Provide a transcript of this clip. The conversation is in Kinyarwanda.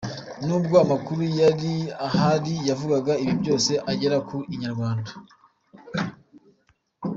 Nubwo amakuru yari ahari yavugaga ibi byose agera ku Inyarwanda.